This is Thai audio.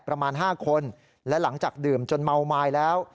ประมาณ๕คนและหลังจากดื่มจนเมาไม้แล้ว